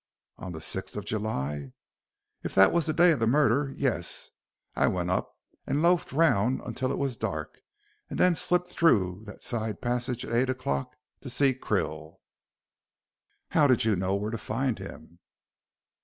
"On the sixth of July?" "If that was the day of the murder yes. I went up and loafed round until it wos dark, and then slipped through that side passage at eight o'clock to see Krill." "How did you know where to find him?"